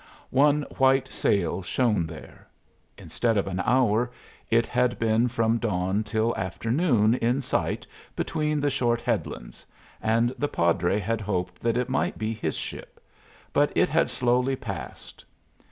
One white sail shone there. Instead of an hour, it had been from dawn till afternoon in sight between the short headlands; and the padre had hoped that it might be his ship. But it had slowly passed.